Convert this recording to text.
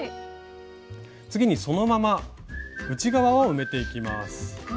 次にそのまま内側を埋めていきます。